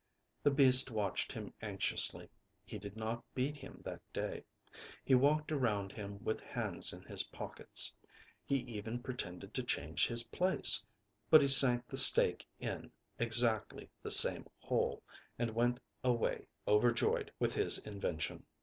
The beast watched him anxiously. He did not beat him that day. He walked around him with his hands in his pockets. He even pretended to change his place, but he sank the stake in exactly the same hole, and went away overjoyed with his invention.